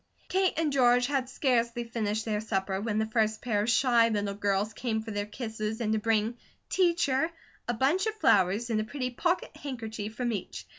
Kate and George had scarcely finished their supper, when the first pair of shy little girls came for their kisses and to bring "Teacher" a bunch of flowers and a pretty pocket handkerchief from each.